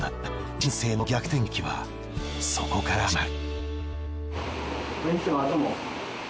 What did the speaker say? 人生の逆転劇はそこから始まる。